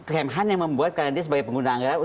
kem han yang membuat karena dia sebagai pengguna anggaran